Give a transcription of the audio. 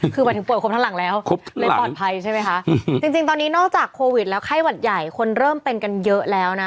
คือหมายถึงป่วยครบทั้งหลังแล้วเลยปลอดภัยใช่ไหมคะจริงตอนนี้นอกจากโควิดแล้วไข้หวัดใหญ่คนเริ่มเป็นกันเยอะแล้วนะ